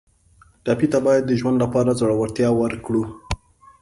ټپي ته باید د ژوند لپاره زړورتیا ورکړو.